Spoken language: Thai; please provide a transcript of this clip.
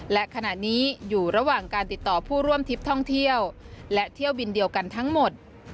และขณะนี้อยู่ระหว่างการติดต่อผู้ร่วมทริปท่องเที่ยวและเที่ยวบินเดียวกันทั้งหมด